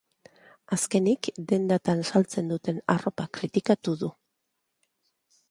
Azkenik, dendetan saltzen duten arropa kritikatu du.